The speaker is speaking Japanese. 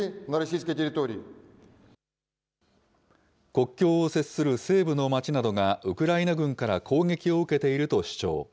国境を接する西部の町などがウクライナ軍から攻撃を受けていると主張。